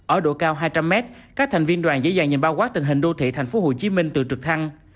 ở độ cao hai trăm linh m các thành viên đoàn dễ dàng nhìn bao quát tình hình đô thị tp hcm từ trực thăng